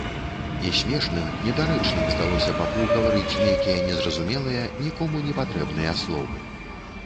І смешным, недарэчным здалося папу гаварыць нейкія незразумелыя, нікому непатрэбныя словы.